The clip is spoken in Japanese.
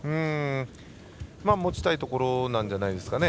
持ちたいところなんじゃないでしょうか。